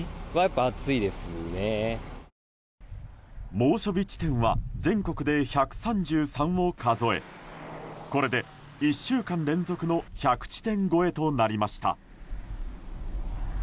猛暑日地点は全国で１３３を数えこれで１週間連続の１００地点超えとなりました。